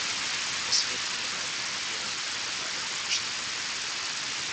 Nasvet, ki je najbolj potreben, je najmanj upoštevan.